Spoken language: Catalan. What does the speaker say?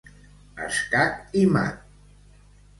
Escac i mat!